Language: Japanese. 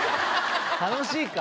楽しいか？